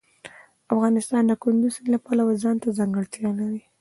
افغانستان د کندز سیند له پلوه ځانته ځانګړتیا لري.